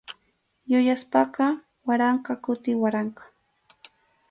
Yupaspaqa waranqa kuti waranqa.